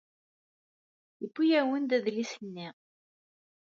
Yewwi-awen-d adlis-nni.